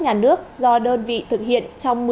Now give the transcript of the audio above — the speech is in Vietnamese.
nhà nước do đơn vị thực hiện trong